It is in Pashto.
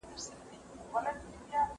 زما بغات ستا له ګفتاره سره نه جوړیږي